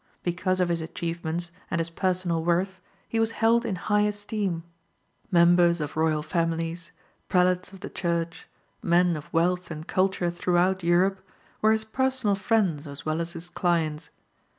Because of his achievements and his personal worth, he was held in high esteem. Members of royal families, prelates of the church, men of wealth and culture throughout Europe, were his personal friends as well as his clients.